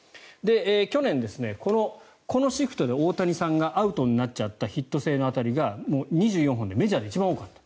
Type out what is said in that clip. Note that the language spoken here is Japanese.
去年、このシフトで大谷さんがアウトになっちゃったヒット性の当たりが２４本でメジャーで一番多かった。